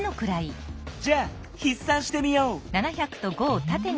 じゃあひっさんしてみよう。